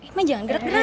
emang jangan gerak gerak